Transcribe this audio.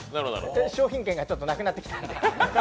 商品券がちょっとなくなってきたので。